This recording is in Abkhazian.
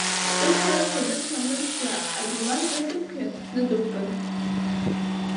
Дыцәазшәа-дыцәамызшәа адиван зны дықәиан, зны дықәтәан.